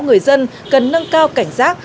người dân cần nâng cao cảnh giác